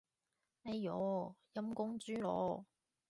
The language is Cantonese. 哎唷，陰公豬咯